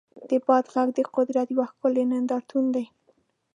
د باد غږ د قدرت یو ښکلی نندارتون دی.